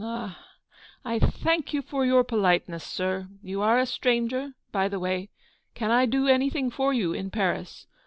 17 aw — I thank you for your politeness, sir. You are a stranger, by the way. Can I do anything for you in Paris